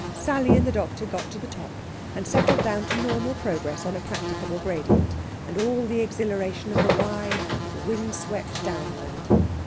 Sally and the doctor got to the top, and settled down to normal progress on a practicable gradient, and all the exhilaration of the wide, wind swept downland.